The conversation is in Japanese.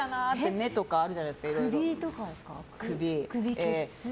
目とかあるじゃないですか。